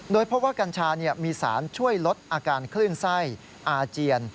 โดยพบว่ากัญชามีสารช่วยลดอาการคลื่นไส้อาเจียน